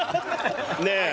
ねえ。